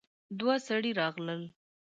دوه سړي راغلل.